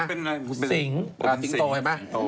เป็นสิงราศีงโตเห็นไหม